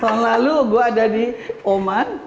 tahun lalu gue ada di oman